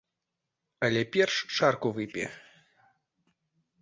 Але перш чарку выпі.